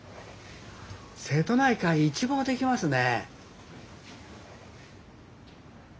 瀬戸内海一望できますね。